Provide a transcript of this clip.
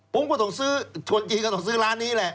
ผมก็ต้องซื้อชวนจีนก็ต้องซื้อร้านนี้แหละ